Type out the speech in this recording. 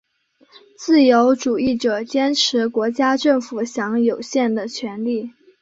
自由主义者坚持国家政府享有有限的权力。